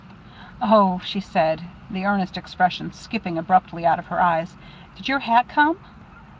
"Oh," she said, the earnest expression skipping abruptly out of her eyes; "did your hat come?"